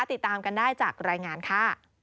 ติดตามกันได้จากรายงานค่ะ